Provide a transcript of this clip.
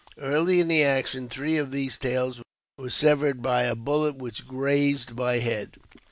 Early in the action, three of these tails were severed by a bullet which grazed my head.